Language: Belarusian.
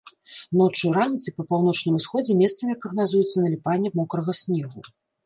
Ноччу і раніцай па паўночным усходзе месцамі прагназуецца наліпанне мокрага снегу.